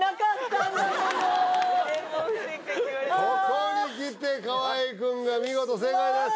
ここにきて河合君が見事正解です